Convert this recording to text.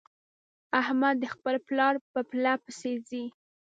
احمد د خپل پلار په پله پسې ځي.